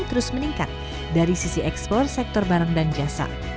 dengan tingkat dari sisi ekspor sektor barang dan jasa